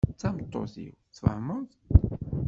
D tameṭṭut-iw, tfahmeḍ?